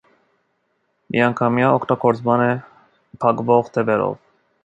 Միանգամյա օգտագործման է, փակվող թևերով։